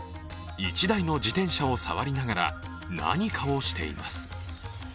１台の自転車を触りながら、何かをしています。